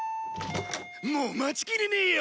もう待ちきれねえよ！